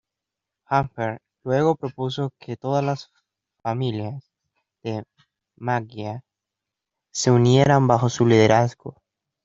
Hammerhead luego propuso que todas las "familias" de Maggia se unieran bajo su liderazgo.